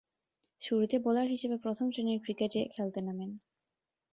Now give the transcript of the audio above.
শুরুতে বোলার হিসেবে প্রথম-শ্রেণীর ক্রিকেটে খেলতে নামেন।